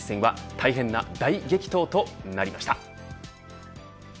一戦は、大変な大激闘となりました。